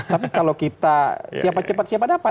tapi kalau kita siapa cepat siapa dapat